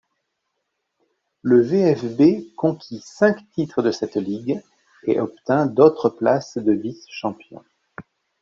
Le VfB conquit cinq titres de cette ligue et obtint d'autres places de vice-champion.